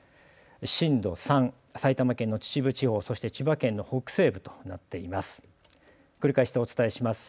震度３埼玉県の秩父地方そして千葉県の北西部となっています。